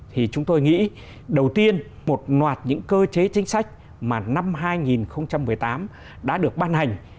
thì chúng tôi nghĩ đầu tiên một loạt những cơ chế chính sách mà năm hai nghìn một mươi tám đã được ban hành